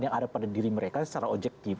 yang ada pada diri mereka secara objektif